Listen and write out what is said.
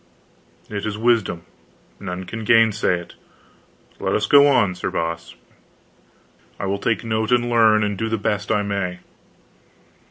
"It is wisdom; none can gainsay it. Let us go on, Sir Boss. I will take note and learn, and do the best I may."